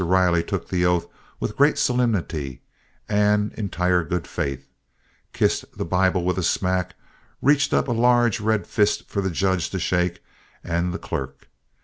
Riley took the oath with great solemnity and entire good faith, kissed the Bible with a smack, reached up a large red fist for the Judge to shake, and the clerk.